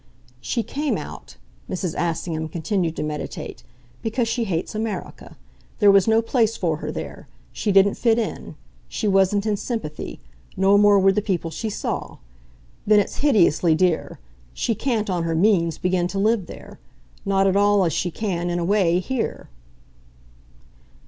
"She came out," Mrs. Assingham continued to meditate, "because she hates America. There was no place for her there she didn't fit in. She wasn't in sympathy no more were the people she saw. Then it's hideously dear; she can't, on her means, begin to live there. Not at all as she can, in a way, here."